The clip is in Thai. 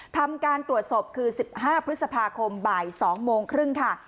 ทำการตรวจศพคือ๑๕พฤษภาคมบ่าย๒โมงครึ่งค่ะ